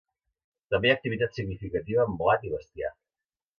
També hi ha activitat significativa en blat i bestiar.